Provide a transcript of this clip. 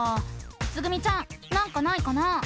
つぐみちゃんなんかないかな？